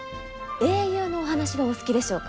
英雄のお話はお好きでしょうか？